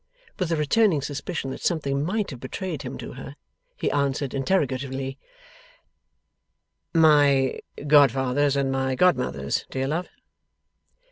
With a returning suspicion that something might have betrayed him to her, he answered, interrogatively, 'My godfathers and my godmothers, dear love?